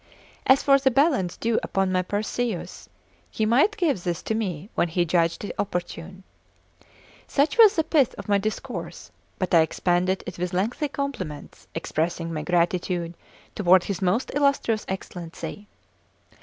As for the balance due upon my Perseus, he might give this to me when he judged it opportune. Such was the pith of my discourse: but I expanded it with lengthy compliments, expressing my gratitude toward his most illustrious Excellency.